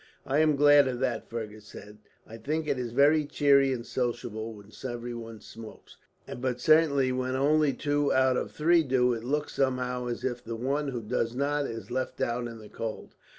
"I am glad of that," Fergus said. "I think it is very cheery and sociable when everyone smokes, but certainly when only two out of three do, it looks somehow as if the one who does not is left out in the cold.